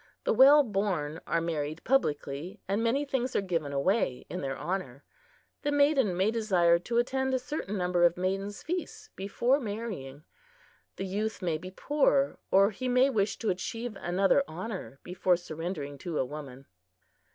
The well born are married publicly, and many things are given away in their honor. The maiden may desire to attend a certain number of maidens' feasts before marrying. The youth may be poor, or he may wish to achieve another honor before surrendering to a woman.